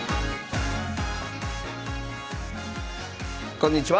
こんにちは。